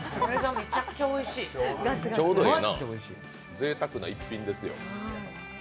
ぜいたくな逸品ですよ。